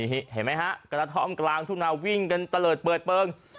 เห็นไหมฮะกระท่อมกลางทุ่งนาวิ่งกันตะเลิศเปิดเปลือง